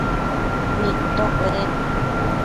nidtocueded